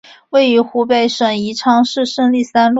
位于湖北省宜昌市胜利三路。